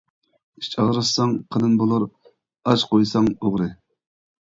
ئىچ ئاغرىتساڭ قېلىن بولۇر، ئاچ قويساڭ ئوغرى.